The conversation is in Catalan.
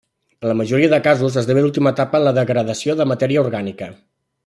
En la majoria de casos, esdevé l'última etapa en la degradació de matèria orgànica.